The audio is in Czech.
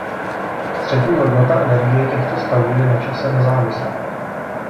Střední hodnota energie těchto stavů je na čase nezávislá.